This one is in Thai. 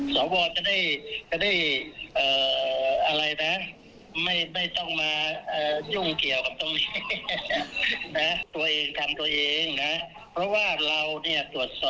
ความมั่นคงของประเทศชาตินะครับ